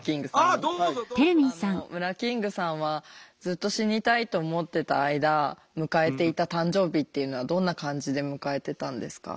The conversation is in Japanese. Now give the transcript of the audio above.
あのムラキングさんはずっと死にたいと思ってた間迎えていた誕生日っていうのはどんな感じで迎えてたんですか？